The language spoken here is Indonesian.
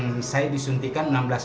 badan agak lemas